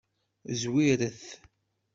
Zwiret.